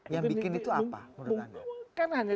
yang bikin itu apa menurut anda